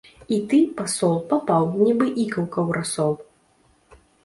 І ты, пасол, папаў, нібы ікаўка ў расол!